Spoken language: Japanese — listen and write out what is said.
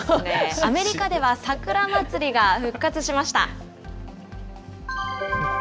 アメリカでは、桜祭りが復活しました。